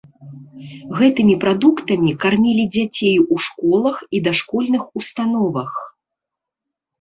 Гэтымі прадуктамі кармілі дзяцей у школах і дашкольных установах.